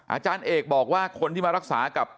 อาจารย์เอกบอกว่าคนที่มารักษากับ